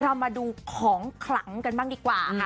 เรามาดูของขลังกันบ้างดีกว่าค่ะ